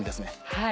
はい。